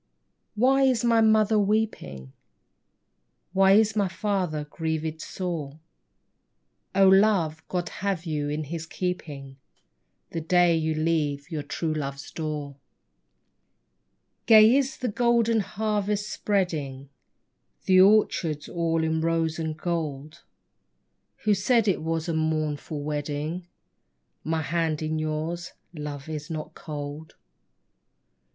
Why is my lady mother weeping ? Why is my father grieved sore ? Oh, love, God have you in His keeping, The day you leave your true love's door. THE BRIDE 21 Gay is the golden harvest spreading, The orchard's all in rose and gold ; Who said it was a mournful wedding ? My hand in yours, Love, is not cold.